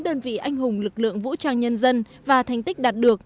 đơn vị anh hùng lực lượng vũ trang nhân dân và thành tích đạt được